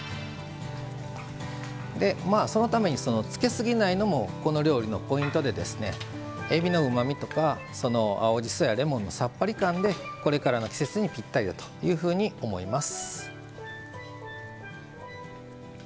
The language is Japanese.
そのためにつけすぎないのもこの料理のポイントでえびのうまみとか青じそやレモンのさっぱり感でこれからの季節にぴったりだというふうに思います。